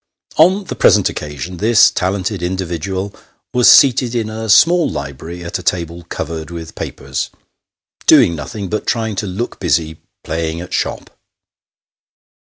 On the present occasion, this talented individual was seated in a small library at a table covered with papers, doing nothing, but trying to look busy playing at shop.